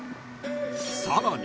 ［さらに］